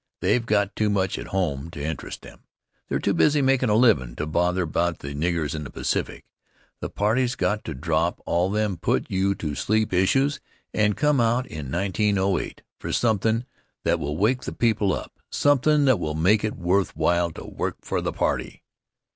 They've got too much at home to interest them; they're too busy makin' a livin' to bother about the niggers in the Pacific. The party's got to drop all them put you to sleep issues and come out in 1908 for somethin' that will wake the people up; somethin' that will make it worth while to work for the party.